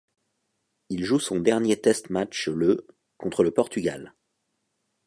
Il joue son dernier test match le contre le Portugal.